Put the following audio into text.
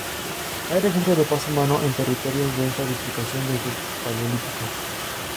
Hay registro de paso humano en territorios de esta diputación desde el Paleolítico.